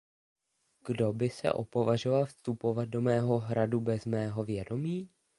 Kdo by se opavažoval vstupovat do mého hradu bez mého vědomí?